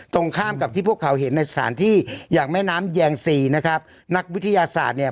ตรงข้ามกับที่พวกเขาเห็นในสถานที่อย่างแม่น้ำแยงซีนะครับนักวิทยาศาสตร์เนี่ย